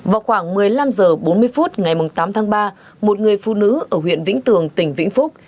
vào khoảng một mươi năm h bốn mươi phút ngày tám tháng ba một người phụ nữ ở huyện vĩnh tường tỉnh vĩnh phúc